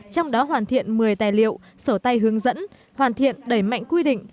trong đó hoàn thiện một mươi tài liệu sổ tay hướng dẫn hoàn thiện đẩy mạnh quy định